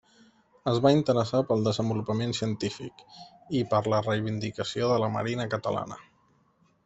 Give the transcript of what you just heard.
Es va interessar pel desenvolupament científic i per la reivindicació de la marina catalana.